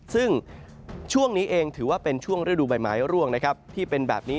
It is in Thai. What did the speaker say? ซึ่งช่วงนี้เองถือว่าเป็นช่วงฤดูบ่ายหมายร่วงที่เป็นแบบนี้